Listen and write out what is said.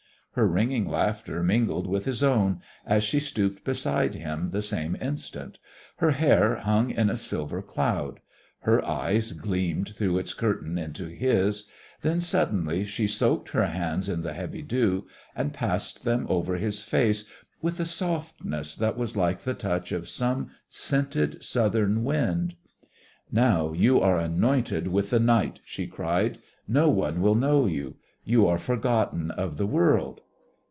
Her ringing laughter mingled with his own, as she stooped beside him the same instant; her hair hung in a silver cloud; her eyes gleamed through its curtain into his; then, suddenly, she soaked her hands in the heavy dew and passed them over his face with a softness that was like the touch of some scented southern wind. "Now you are anointed with the Night," she cried. "No one will know you. You are forgotten of the world.